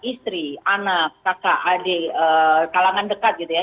istri anak kakak adik kalangan dekat gitu ya